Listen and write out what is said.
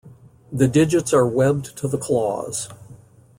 The digits are webbed to the claws.